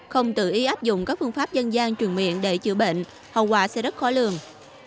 không tự ý áp dụng các phương pháp dân gian truyền miệng để chữa bệnh hậu quả sẽ rất khó lường